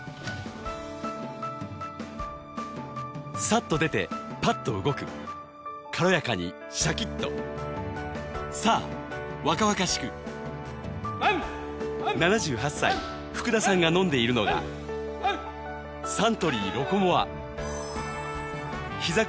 さっと出てパッと動く軽やかにシャキッと７８歳福田さんが飲んでいるのがサントリー「ロコモア」ひざ